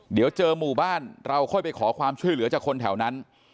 เดี๋ยวเจอหมู่บ้านเราค่อยไปขอความช่วยเหลือจากคนแถวนั้น